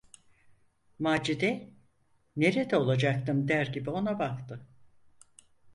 Macide, "Nerede olacaktım?" der gibi ona baktı.